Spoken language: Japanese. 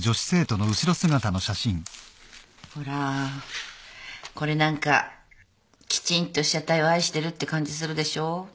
ほらこれなんかきちんと被写体を愛してるって感じするでしょ。